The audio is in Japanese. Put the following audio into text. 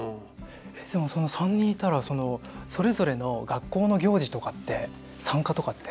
えっでも３人いたらそのそれぞれの学校の行事とかって参加とかって？